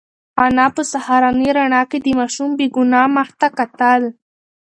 انا په سهارنۍ رڼا کې د ماشوم بې گناه مخ ته کتل.